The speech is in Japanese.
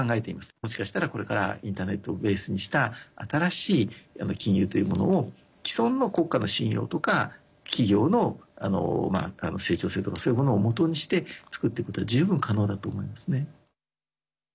もしかしたら、これからインターネットをベースにした新しい金融というものを既存の効果の信用とか企業の成長性とかそういうものを元にして作っていくことは十分、可能だと思いますね。